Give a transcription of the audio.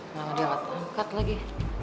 nah dia angkat lagi